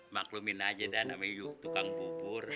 maklumin aja dan ame yuk tukang bubur